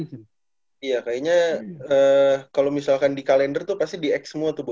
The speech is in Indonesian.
iya kayaknya kalau misalkan di kalender tuh pasti di x semua tuh